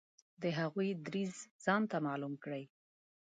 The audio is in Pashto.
د هغوی دریځ ځانته معلوم کړي.